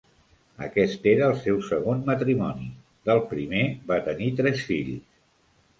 Aquest era el seu segon matrimoni; del primer, va tenir tres fills.